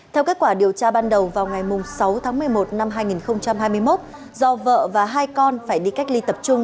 theo kết quả điều tra ban đầu vào ngày sáu tháng một mươi một năm hai nghìn hai mươi một do vợ và hai con phải đi cách ly tập trung